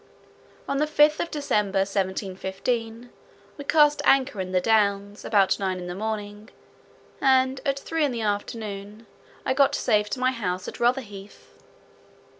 On the fifth of December, 1715, we cast anchor in the Downs, about nine in the morning, and at three in the afternoon I got safe to my house at Rotherhith.